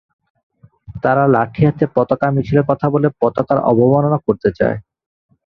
তারা লাঠি হাতে পতাকা মিছিলের কথা বলে পতাকার অবমাননা করতে চায়।